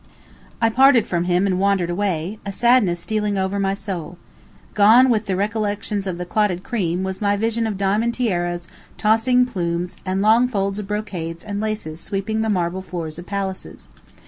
I parted from him and wandered away, a sadness stealing o'er my soul. Gone with the recollections of the clotted cream was my visions of diamond tiaras, tossing plumes, and long folds of brocades and laces sweeping the marble floors of palaces.